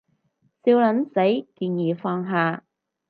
笑撚死，建議放下